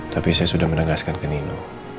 tapi saya sudah menegaskan ke nino